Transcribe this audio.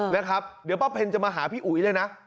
เดี๋ยวป้าเพนจะมาหาพี่อุ๋ยเลยนะ